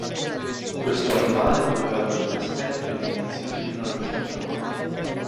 Questo animale doveva avere aspetto e dimensioni di una lucertola.